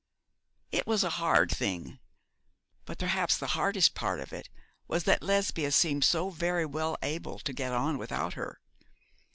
It was a hard thing; but perhaps the hardest part of it was that Lesbia seemed so very well able to get on without her.